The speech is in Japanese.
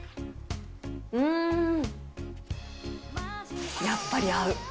うーん、やっぱり合う。